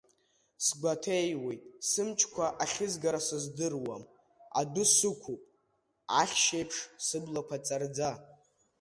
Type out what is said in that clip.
Сгәаҭеиуеит, сымчқәа ахьызгара сыздыруам, адәы сықәуп, ахьшь еиԥш, сыблақәа ҵарӡа.